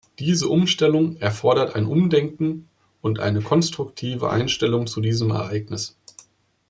Diese Umstellung erfordert ein Umdenken und eine konstruktive Einstellung zu diesem Ereignis.